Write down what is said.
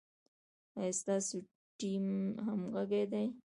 ایا ستاسو ټیم همغږی دی؟